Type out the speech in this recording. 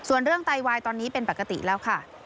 ส่วนเรื่องไตวายตอนนี้เป็นปกติแล้วค่ะ